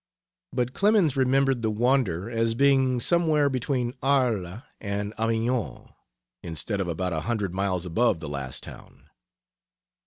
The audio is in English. But Clemens remembered the wonder as being somewhere between Arles and Avignon, instead of about a hundred miles above the last named town.